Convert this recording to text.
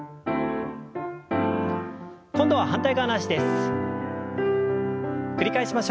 今度は反対側の脚です。